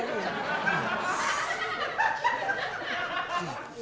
saya tune prophet